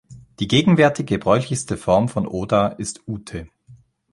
Die gegenwärtig gebräuchlichste Form von Oda ist Ute.